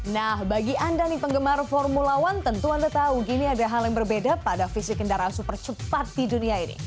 nah bagi anda nih penggemar formula one tentu anda tahu gini ada hal yang berbeda pada fisik kendaraan super cepat di dunia ini